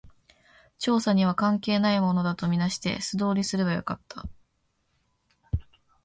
調査には関係ないものだと見なして、素通りすればよかった